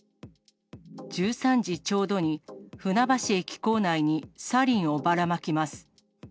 １３時ちょうどに船橋駅構内にサリンをばらまきます。